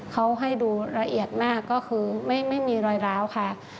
เขาให้ดูละเอียดมากก็คือไม่มีรอยร้าวค่ะ